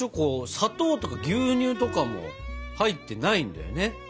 砂糖とか牛乳とかも入ってないんだよね。